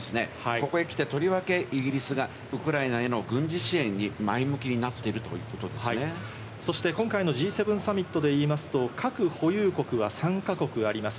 ここへ来て、とりわけイギリスがウクライナへの軍事支援に前向きそして今回のＧ７サミットでいいますと、核保有国は３か国あります。